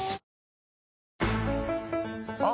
あ！